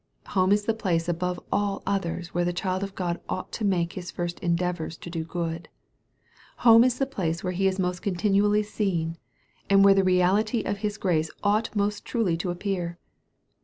Home is the place above all others where the child of God ought to make his first endeavors to do good. Home is the place where he is most continually seen, and where the reality of his grace ought most truly to appear.